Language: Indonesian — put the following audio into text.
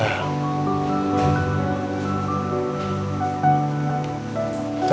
aku merasa marah